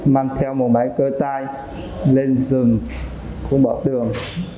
mang theo một máy cơ tai lên rừng khu bảo tường